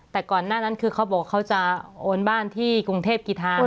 แต่ก่อนหน้านั้นคือเขาบอกเขาจะโอนบ้านที่กรุงเทพกีธา